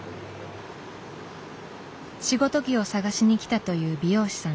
仕事着を探しにきたという美容師さん。